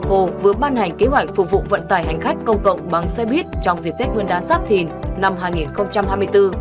cô vừa ban hành kế hoạch phục vụ vận tải hành khách công cộng bằng xe buýt trong dịp tết nguyên đán giáp thìn năm hai nghìn hai mươi bốn